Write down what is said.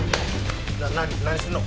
な何すんの？